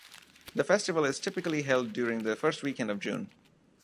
The festival is typically held during the first weekend of June.